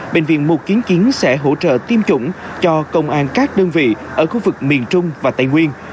bệnh viện mù kiến kiến sẽ hỗ trợ tiêm chủng cho công an các đơn vị ở khu vực miền trung và tây nguyên